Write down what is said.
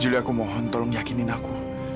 juli aku mohon tolong yakinin aku